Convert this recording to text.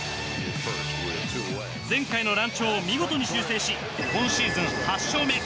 前回の乱調を見事に修正し今シーズン８勝目。